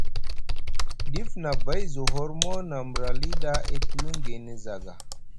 Dif nʼabay zi hormo nʼa mra li ɗa, e tuwiŋ gayni jaaga.